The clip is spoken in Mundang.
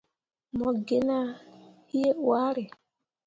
Mo gi nah hii hwaare.